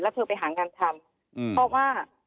เธอไปหางานทำเพราะว่า